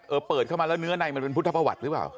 เปิดเข้ามาแล้วเนื้อในมันเป็นพุทธประวัติหรือเปล่า